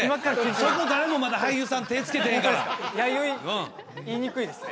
そこ誰もまだ俳優さん手つけてへんから弥生言いにくいですね